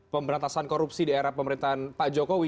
pemberantasan korupsi di era pemerintahan pak jokowi